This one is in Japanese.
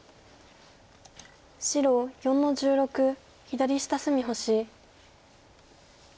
白４の十六左下隅星。